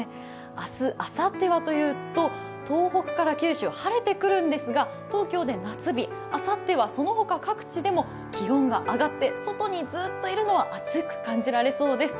明日、あさってはというと、東北から九州、晴れてくるんですが東京で夏日、あさってはその他各地でも気温が上がって外にずっといるのは暑く感じられそうです。